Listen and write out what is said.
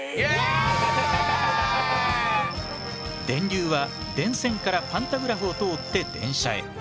電流は電線からパンタグラフを通って電車へ。